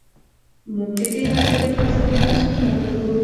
موږ د دې نظریې فلسفي بنسټونه ګورو.